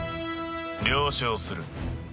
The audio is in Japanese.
了承する。